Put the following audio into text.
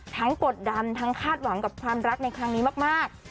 กดดันทั้งคาดหวังกับความรักในครั้งนี้มาก